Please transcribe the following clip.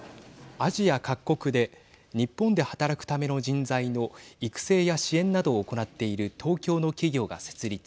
アジア各国で日本で働くための人材の育成や支援などを行っている東京の企業が設立。